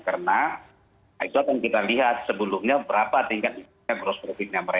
karena itu akan kita lihat sebelumnya berapa tingkatnya gross profit